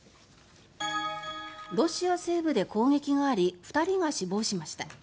ロシア西部で攻撃があり２人が死亡しました。